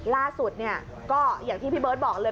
ล่าสุดเนี่ยก็อย่างที่พี่เบิร์ตบอกเลย